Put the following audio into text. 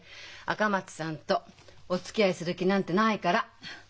赤松さんとおつきあいする気なんてないから。